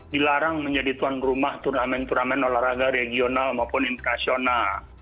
dilarang menjadi tuan rumah turnamen turnamen olahraga regional maupun internasional